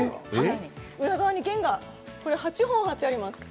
裏側に弦が８本張ってあります。